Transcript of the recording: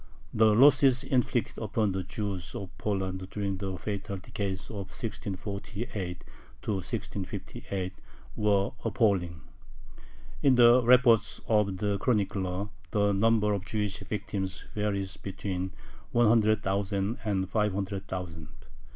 The losses inflicted upon the Jews of Poland during the fatal decade of 1648 1658 were appalling. In the reports of the chroniclers the number of Jewish victims varies between one hundred thousand and five hundred thousand.